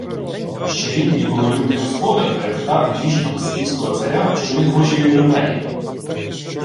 — Ще рік мій боголюбний господар перепитати міжнього скіфського царя, що він хоче від ромеїв.